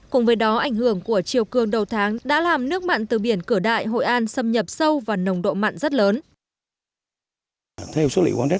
cùng với đó ảnh hưởng của chiều cường đầu tháng đã làm nước mặn từ biển cửa đại hội an xâm nhập sâu và nồng độ mặn rất lớn